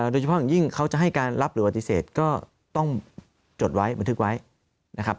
โดยเฉพาะอย่างยิ่งเขาจะให้การรับหรือปฏิเสธก็ต้องจดไว้บันทึกไว้นะครับ